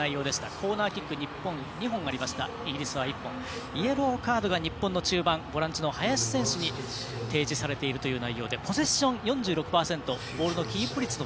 コーナー、日本２本イギリスは１本イエローカードがボランチの林選手に提示されているという内容で、ポゼッション４６％。